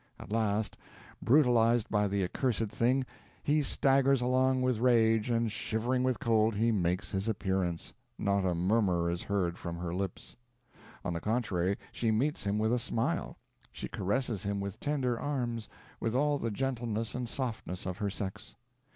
At last, brutalized by the accursed thing, he staggers along with rage, and, shivering with cold, he makes his appearance. Not a murmur is heard from her lips. On the contrary, she meets him with a smile she caresses him with tender arms, with all the gentleness and softness of her sex.